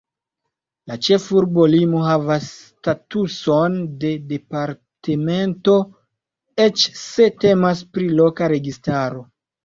La ĉefurbo Limo havas statuson de departemento, eĉ se temas pri loka registaro.